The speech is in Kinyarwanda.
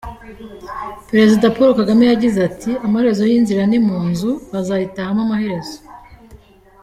Perezida Paul Kagame yagize ati “Amaherezo y’inzira ni mu nzu… bazayitahamo amaherezo.